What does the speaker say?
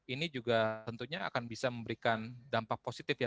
ini juga tentunya akan bisa memberikan dampak positif ya